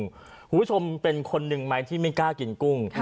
คุณผู้ชมเป็นคนหนึ่งไหมที่ไม่กล้ากินกุ้ง